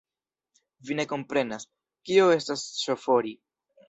Vi ne komprenas, kio estas ŝofori.